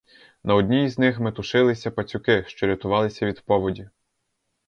На одній з них метушилися пацюки, що рятувалися від поводі.